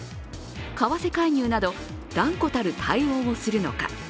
為替介入など断固たる対応をするのか。